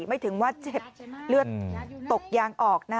ไม่ถึงว่าเจ็บเลือดตกยางออกนะ